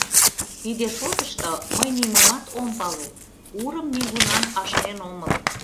Тиде шотышто мый нимомат ом пале, урым нигунам ашнен омыл.